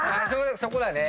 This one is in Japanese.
そこだね。